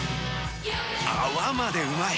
泡までうまい！